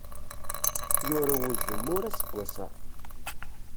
Yurew uzemmur aseggas-a.